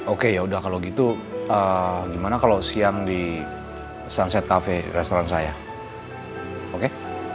oke yaudah kalau gitu gimana kalau siang di sunset cafe restoran saya oke